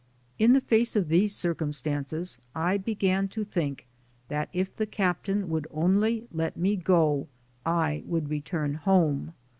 In the face of these circumstances I began to think that if the captain would only let me go, I would return home.